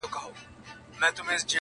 ستا په وعده مې اعتبار نشته